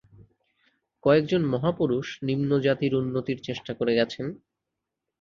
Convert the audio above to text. কয়েকজন মহাপুরুষ নিম্নজাতির উন্নতির চেষ্টা করে গেছেন।